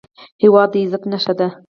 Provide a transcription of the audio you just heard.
هېواد د عزت نښه ده